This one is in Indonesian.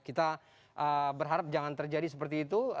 kita berharap jangan terjadi seperti itu